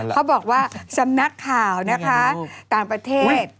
เขาบอกว่าสำนักข่าวนะคะต่างประเทศ